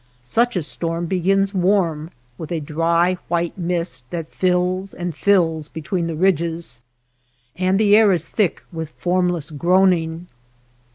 Such a storm begins warm, with a dry white mist that fills and fills between the ridges, and the air is thick with formless groaning.